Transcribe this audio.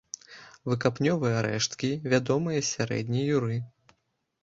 Выкапнёвыя рэшткі вядомыя з сярэдняй юры.